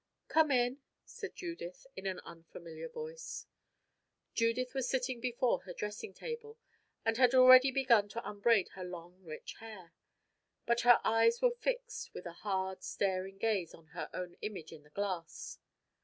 "Come in," said Judith, in an unfamiliar voice. Judith was sitting before her dressing table, and had already begun to unbraid her long, rich hair. But her eyes were fixed with a hard, staring gaze on her own image in the glass.